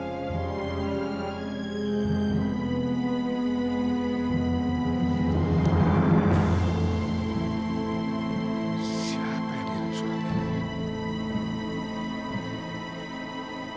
siapa ini suratnya